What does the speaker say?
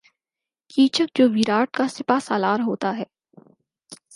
کیچک جو ویراٹ کا سپاہ سالار ہوتا ہے